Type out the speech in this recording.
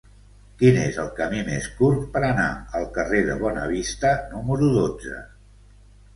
Quin és el camí més curt per anar al carrer de Bonavista número dotze?